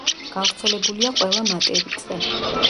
გავრცელებულია ყველა მატერიკზე.